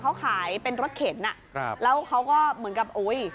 เขาขายเป็นรถเข็นอ่ะครับแล้วเขาก็เหมือนกับอุ้ย